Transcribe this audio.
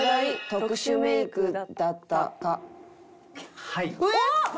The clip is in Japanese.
特殊メイクだった。